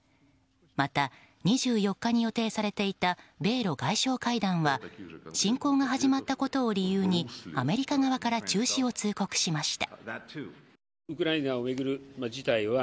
また、２４日に予定されていた米露外相会談は侵攻が始まったことを理由にアメリカ側から中止を通告しました。